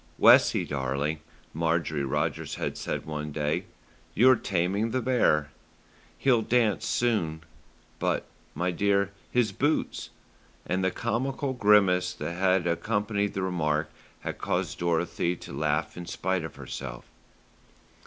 "Wessie, darling," Marjorie Rogers had said one day, "you're taming the bear. He'll dance soon; but, my dear, his boots," and the comical grimace that had accompanied the remark had caused Dorothy to laugh in spite of herself.